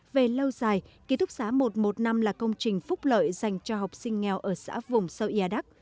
về lâu dài ký thúc xá một trăm một mươi năm là công trình phúc lợi dành cho học sinh nghèo ở xã vùng sâu yada